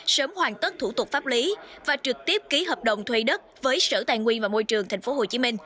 sớm hoàn tất thủ tục pháp lý và trực tiếp ký hợp đồng thuê đất với sở tài nguyên và môi trường tp hcm